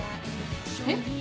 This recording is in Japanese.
えっ？